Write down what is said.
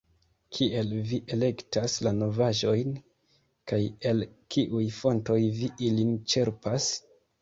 Kiel vi elektas la novaĵojn, kaj el kiuj fontoj vi ilin ĉerpas?